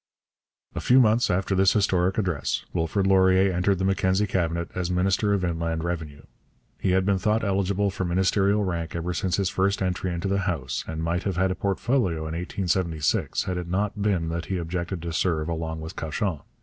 A few months after this historic address Wilfrid Laurier entered the Mackenzie Cabinet as minister of Inland Revenue. He had been thought eligible for ministerial rank ever since his first entry into the House, and might have had a portfolio in 1876 had it not been that he objected to serve along with Cauchon.